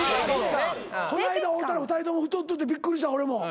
こないだ会うたら２人とも太っててびっくりした俺も。